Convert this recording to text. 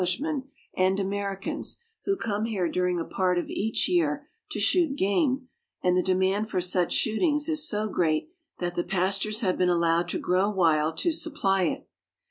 lishmen and Americans, who come here during a part of each year to shoot game, and the demand for such shoot ings is so great that the pastures have been allowed to grow wild to supply it.